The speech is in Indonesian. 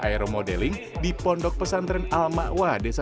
iron modeling menjadi pengetahuan dan hal baru bagi mereka